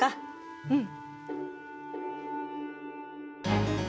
うん！